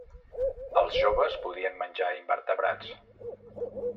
Els joves podien menjar invertebrats.